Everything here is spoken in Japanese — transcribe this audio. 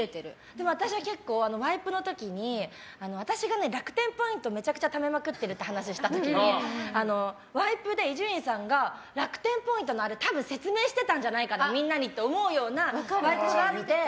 でも、私はワイプの時に私が楽天ポイントをめちゃくちゃためまくってるって話した時にワイプで、伊集院さんが楽天ポイントのあれを多分、説明してたんじゃないかなっていうワイプがあって。